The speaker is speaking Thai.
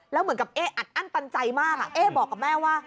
แล้วเหมือนกับเอ๊อัดอั้นตันใจมากเอ๊บอกกับแม่ว่า